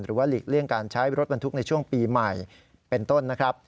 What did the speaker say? หลีกเลี่ยงการใช้รถบรรทุกในช่วงปีใหม่เป็นต้นนะครับ